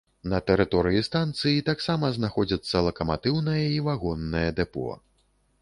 На тэрыторыі станцыі таксама знаходзяцца лакаматыўнае і вагоннае дэпо.